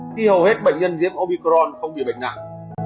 khi hầu hết bệnh nhân nhiễm opicron không bị bệnh nặng